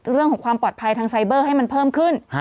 เรื่องของความปลอดภัยทางไซเบอร์ให้มันเพิ่มขึ้น